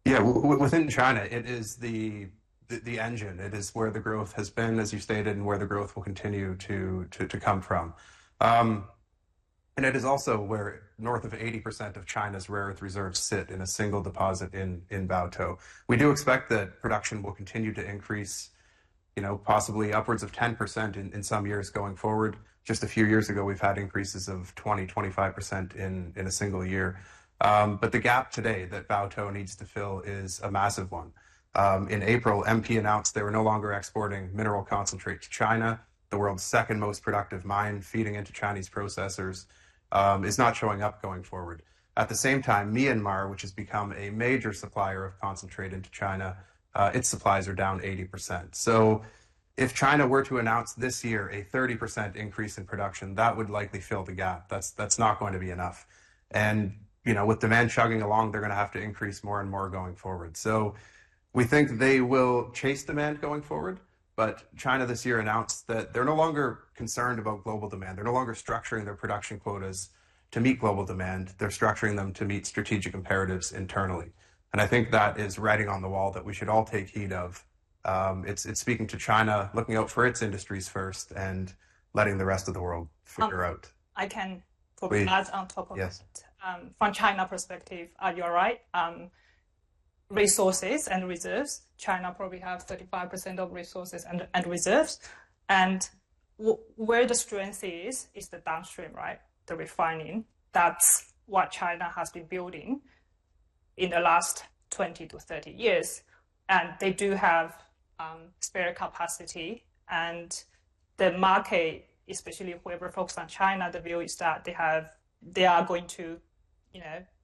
you. Yeah, within China, it is the engine. It is where the growth has been, as you stated, and where the growth will continue to come from. It is also where north of 80% of China's rare earth reserves sit in a single deposit in Bayan Obo. We do expect that production will continue to increase, possibly upwards of 10% in some years going forward. Just a few years ago, we've had increases of 20-25% in a single year. The gap today that Bayan Obo needs to fill is a massive one. In April, MP Materials announced they were no longer exporting mineral concentrate to China. The world's second most productive mine feeding into Chinese processors is not showing up going forward. At the same time, Myanmar, which has become a major supplier of concentrate into China, its supplies are down 80%. If China were to announce this year a 30% increase in production, that would likely fill the gap. That's not going to be enough. With demand chugging along, they're going to have to increase more and more going forward. We think they will chase demand going forward, but China this year announced that they're no longer concerned about global demand. They're no longer structuring their production quotas to meet global demand. They're structuring them to meet strategic imperatives internally. I think that is writing on the wall that we should all take heed of. It's speaking to China, looking out for its industries first, and letting the rest of the world figure out. I can put that on top of it. From China perspective, are you all right? Resources and reserves. China probably has 35% of resources and reserves. Where the strength is, is the downstream, right? The refining. That's what China has been building in the last 20 to 30 years. They do have spare capacity. The market, especially whoever focused on China, the view is that they are going to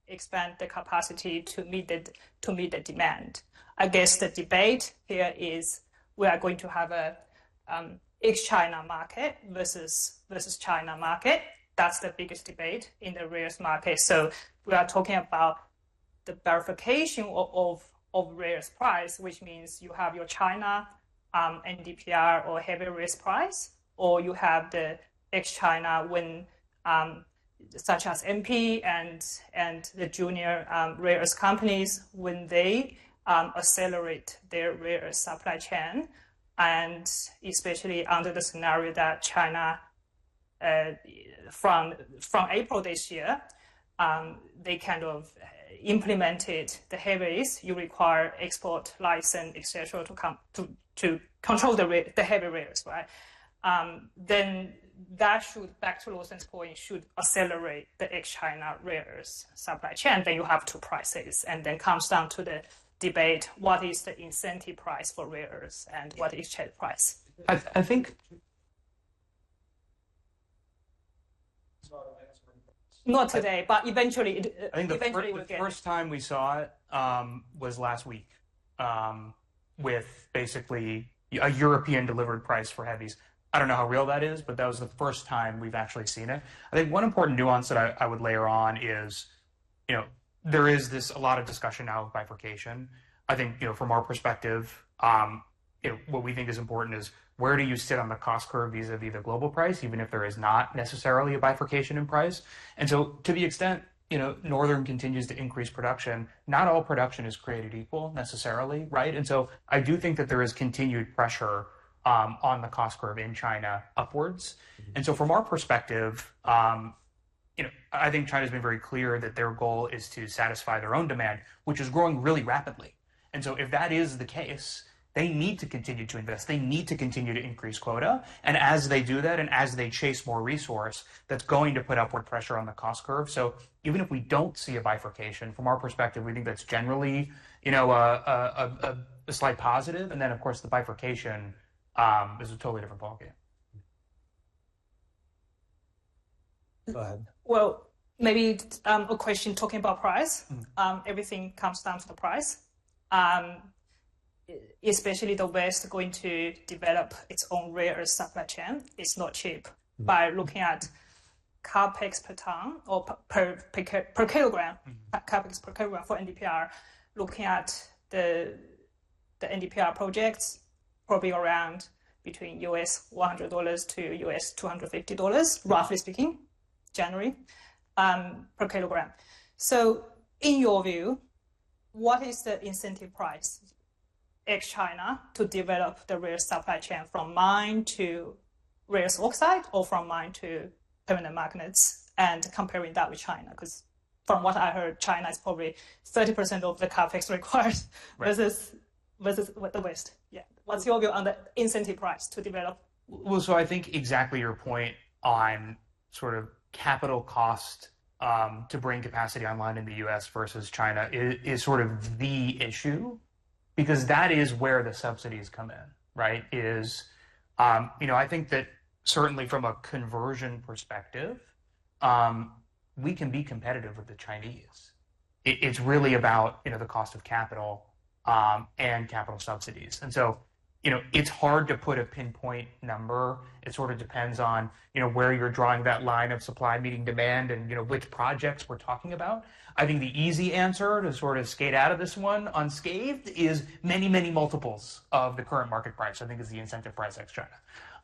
expand the capacity to meet the demand. I guess the debate here is we are going to have an ex-China market versus China market. That's the biggest debate in the rare earth market. We are talking about the verification of rare earth price, which means you have your China and DPR or heavy rare earth price, or you have the ex-China, such as MP and the junior rare earth companies, when they accelerate their rare earth supply chain. Especially under the scenario that China, from April this year, they kind of implemented the heavies, you require export license, et cetera, to control the heavy rare earth, right? That should, back to Rosen's point, should accelerate the ex-China rare earth supply chain. You have two prices. It comes down to the debate, what is the incentive price for rare earth and what is the exchange price, I think. Not today, but eventually. I think the first time we saw it was last week with basically a European delivered price for heavies. I don't know how real that is, but that was the first time we've actually seen it. I think one important nuance that I would layer on is there is a lot of discussion now of bifurcation. I think from our perspective, what we think is important is where do you sit on the cost curve vis-à-vis the global price, even if there is not necessarily a bifurcation in price. To the extent Northern continues to increase production, not all production is created equal necessarily, right? I do think that there is continued pressure on the cost curve in China upwards. From our perspective, I think China has been very clear that their goal is to satisfy their own demand, which is growing really rapidly. If that is the case, they need to continue to invest. They need to continue to increase quota. As they do that and as they chase more resource, that is going to put upward pressure on the cost curve. Even if we do not see a bifurcation, from our perspective, we think that is generally a slight positive. Of course, the bifurcation is a totally different ballgame. Go ahead. Maybe a question talking about price. Everything comes down to the price. Especially the West going to develop its own rare earth supply chain. It is not cheap. By looking at CapEx per ton or per kilogram, CapEx per kilogram for NDPR, looking at the NDPR projects, probably around between $100-$250, roughly speaking, January per kilogram. In your view, what is the incentive price ex-China to develop the rare supply chain from mine to rare earth oxide or from mine to permanent magnets and comparing that with China? Because from what I heard, China is probably 30% of the CapEx required versus the West. Yeah. What is your view on the incentive price to develop? I think exactly your point on sort of capital cost to bring capacity online in the U.S. versus China is sort of the issue because that is where the subsidies come in, right? I think that certainly from a conversion perspective, we can be competitive with the Chinese. It is really about the cost of capital and capital subsidies. It is hard to put a pinpoint number. It sort of depends on where you are drawing that line of supply meeting demand and which projects we are talking about. I think the easy answer to sort of skate out of this one unscathed is many, many multiples of the current market price, I think, is the incentive price ex-China.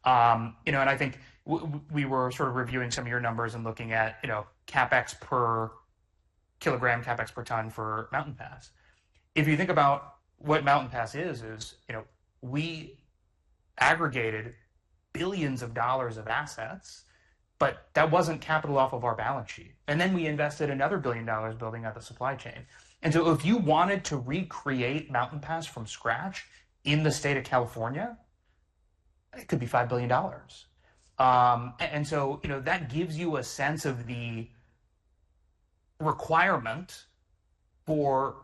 I think we were sort of reviewing some of your numbers and looking at CapEx per kilogram, CapEx per ton for Mountain Pass. If you think about what Mountain Pass is, we aggregated billions of dollars of assets, but that was not capital off of our balance sheet. We invested another $1 billion building out the supply chain. If you wanted to recreate Mountain Pass from scratch in the state of California, it could be $5 billion. That gives you a sense of the requirement for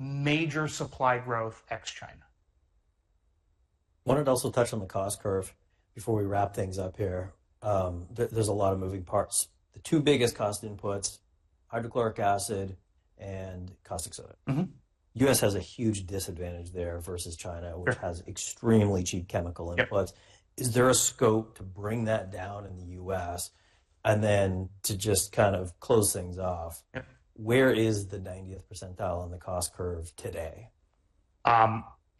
major supply growth ex-China. I wanted to also touch on the cost curve before we wrap things up here. There are a lot of moving parts. The two biggest cost inputs, hydrochloric acid and caustic soda. The U.S. has a huge disadvantage there versus China, which has extremely cheap chemical inputs. Is there a scope to bring that down in the U.S. and then to just kind of close things off? Where is the 90th percentile on the cost curve today?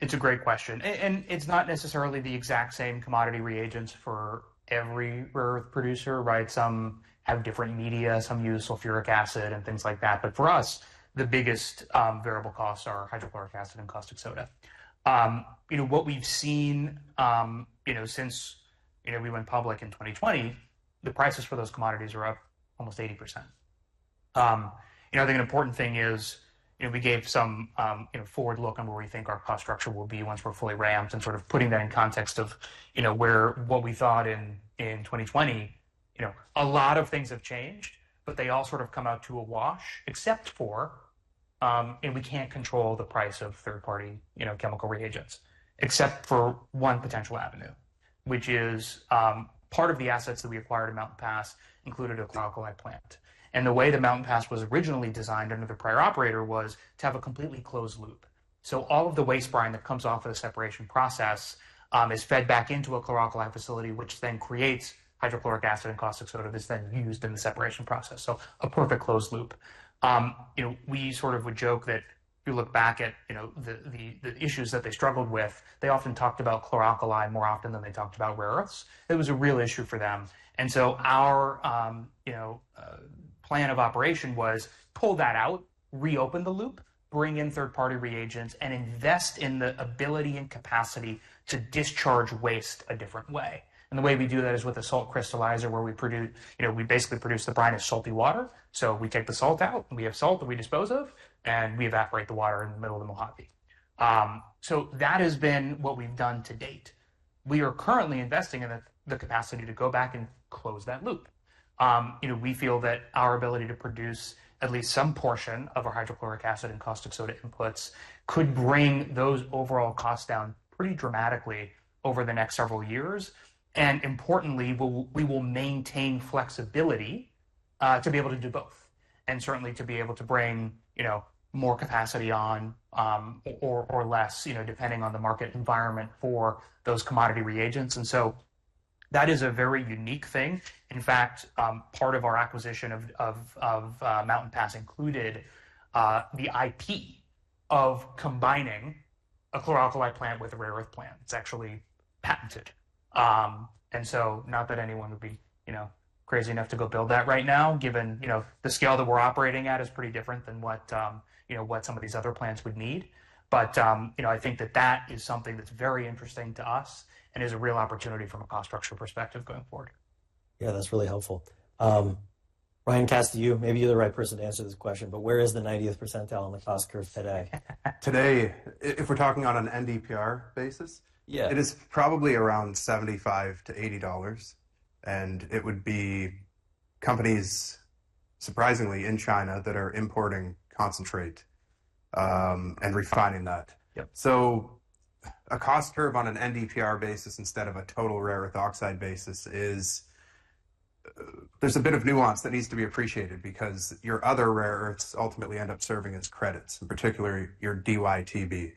It's a great question. It's not necessarily the exact same commodity reagents for every rare earth producer, right? Some have different media, some use sulfuric acid and things like that. For us, the biggest variable costs are hydrochloric acid and caustic soda. What we've seen since we went public in 2020, the prices for those commodities are up almost 80%. I think an important thing is we gave some forward look on where we think our cost structure will be once we're fully ramped and sort of putting that in context of what we thought in 2020. A lot of things have changed, but they all sort of come out to a wash, except for we can't control the price of third-party chemical reagents, except for one potential avenue, which is part of the assets that we acquired at Mountain Pass included a chlor-alkali plant. The way that Mountain Pass was originally designed under the prior operator was to have a completely closed loop. All of the waste brine that comes off of the separation process is fed back into a chlor-alkali facility, which then creates hydrochloric acid and caustic soda that's then used in the separation process. A perfect closed loop. We sort of would joke that if you look back at the issues that they struggled with, they often talked about chloroxide more often than they talked about rare earths. It was a real issue for them. Our plan of operation was pull that out, reopen the loop, bring in third-party reagents, and invest in the ability and capacity to discharge waste a different way. The way we do that is with a salt crystallizer where we basically produce the brine as salty water. We take the salt out, and we have salt that we dispose of, and we evaporate the water in the middle of the Mojave. That has been what we've done to date. We are currently investing in the capacity to go back and close that loop. We feel that our ability to produce at least some portion of our hydrochloric acid and caustic soda inputs could bring those overall costs down pretty dramatically over the next several years. Importantly, we will maintain flexibility to be able to do both and certainly to be able to bring more capacity on or less, depending on the market environment for those commodity reagents. That is a very unique thing. In fact, part of our acquisition of Mountain Pass included the IP of combining a chlor-alkali plant with a rare earth plant. It's actually patented. Not that anyone would be crazy enough to go build that right now, given the scale that we're operating at is pretty different than what some of these other plants would need. I think that that is something that's very interesting to us and is a real opportunity from a cost structure perspective going forward. Yeah, that's really helpful. Ryan, cast to you. Maybe you're the right person to answer this question, but where is the 90th percentile on the cost curve today? Today, if we're talking on an NDPR basis, it is probably around $75-$80. And it would be companies, surprisingly, in China that are importing concentrate and refining that. So a cost curve on an NDPR basis instead of a total rare earth oxide basis is there's a bit of nuance that needs to be appreciated because your other rare earths ultimately end up serving as credits, in particular your DYTB.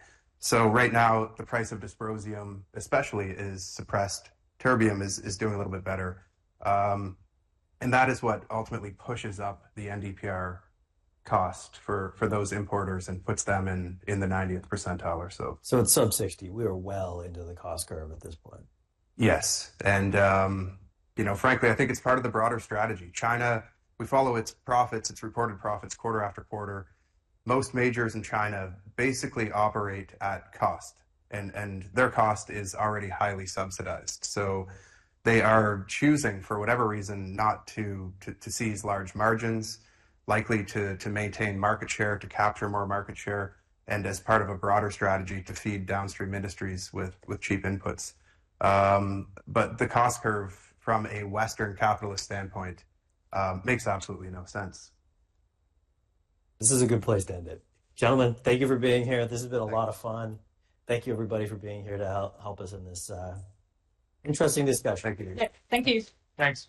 Right now, the price of dysprosium, especially, is suppressed. Terbium is doing a little bit better. That is what ultimately pushes up the NDPR cost for those importers and puts them in the 90th percentile or so. It is sub-60. We are well into the cost curve at this point. Yes. Frankly, I think it is part of the broader strategy. China, we follow its profits, its reported profits quarter after quarter. Most majors in China basically operate at cost. Their cost is already highly subsidized. They are choosing, for whatever reason, not to seize large margins, likely to maintain market share, to capture more market share, and as part of a broader strategy to feed downstream industries with cheap inputs. The cost curve from a Western capitalist standpoint makes absolutely no sense. This is a good place to end it. Gentlemen, thank you for being here. This has been a lot of fun. Thank you, everybody, for being here to help us in this interesting discussion. Thank you. Thanks.